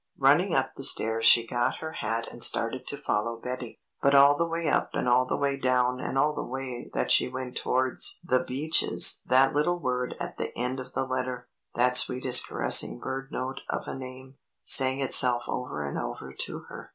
Running up the stairs she got her hat and started to follow Betty. But all the way up and all the way down and all the way that she went towards The Beeches that little word at the end of the letter that sweet caressing bird note of a name, sang itself over and over to her.